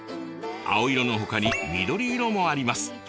青色のほかに緑色もあります。